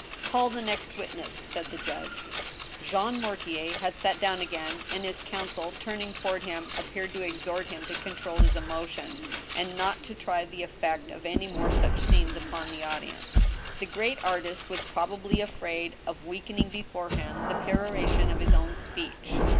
Call the next witness !'* said the judge. Jean Mortier had sat down again ; and his counsel, turning to ward him, appeared to exhort him to control his emotion, and not to try the effect of any more such scenes upon the audience. The great artist was probably afraid of weakening beforehand the peroration of his own speech.